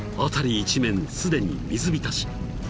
一面すでに水浸し］